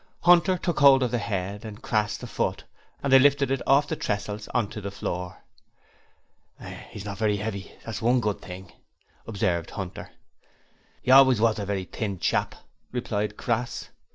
Hunter took hold of the head and Crass the foot and they lifted it off the tressels on to the floor. ''E's not very 'eavy; that's one good thing,' observed Hunter. ''E always was a very thin chap,' replied Crass.